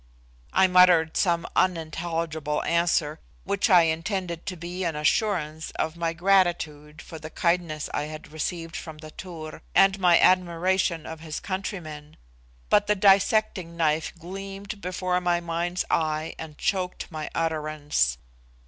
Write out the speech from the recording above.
I muttered some unintelligible answer, which I intended to be an assurance of my gratitude for the kindness I had received from the Tur, and my admiration of his countrymen, but the dissecting knife gleamed before my mind's eye and choked my utterance.